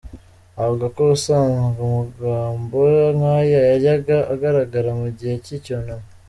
Avuga ko ubusanzwe amagambo nk’aya yajyaga agaragara mu gihe cy’icyunamo.